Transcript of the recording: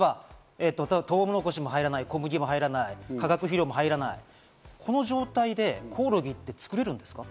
トウモロコシも入らない、小麦も入らない、化学肥料も入らない、この状態でコオロギって作れるんですか？